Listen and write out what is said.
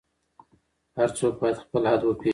هر څوک باید خپل حد وپیژني.